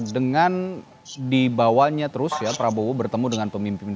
dengan dibawanya terus ya prabowo bertemu dengan pemimpin